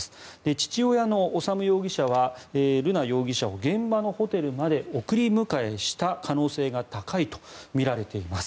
父親の修容疑者は瑠奈容疑者を現場のホテルまで送り迎えした可能性が高いとみられています。